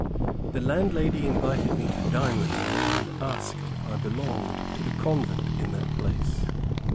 The landlady invited me to dine with them, and asked if I belonged to the convent in that place.